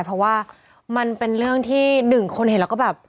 เพราะว่ามันเป็นเรื่องที่หนึ่งคนเห็นแล้วก็แบบ